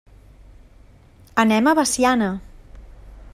Anem a Veciana.